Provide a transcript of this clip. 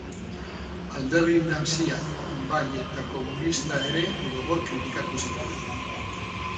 Alderdi nazia, bai eta komunista ere gogor kritikatu zituen.